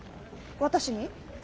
私に？